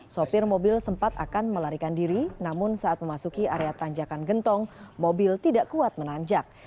sopir mobil sempat akan melarikan diri namun saat memasuki area tanjakan gentong mobil tidak kuat menanjak